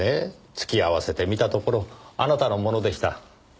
突き合わせてみたところあなたのものでした。